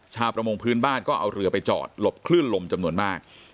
ประมงพื้นบ้านก็เอาเรือไปจอดหลบคลื่นลมจำนวนมาก